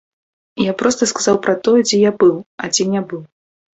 Я проста сказаў пра тое, дзе я быў а дзе не быў.